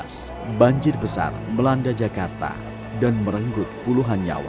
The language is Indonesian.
pada dua ribu tiga belas banjir besar melanda jakarta dan merenggut puluhan nyawa